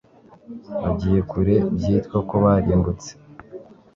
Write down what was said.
bagiye kure byitwa ko barimbutse